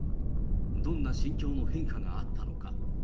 どんな心境の変化があったのか。